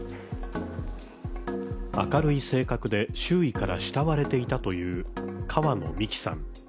明るい性格で、周囲から慕われていたという川野美樹さん。